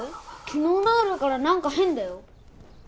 昨日の夜から何か変だよ